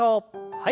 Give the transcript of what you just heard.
はい。